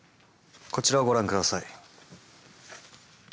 こちらをご覧下さい。